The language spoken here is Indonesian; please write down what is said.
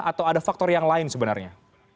atau ada faktor yang lain sebenarnya